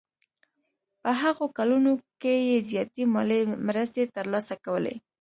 په هغو کلونو کې یې زیاتې مالي مرستې ترلاسه کولې.